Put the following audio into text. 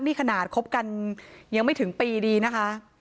นี่ขนาดคบกันยังไม่ถึงปีดีนะคะ